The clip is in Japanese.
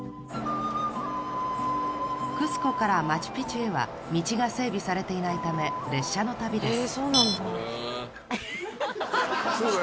クスコからマチュ・ピチュへは道が整備されていないため列車の旅ですそうだよね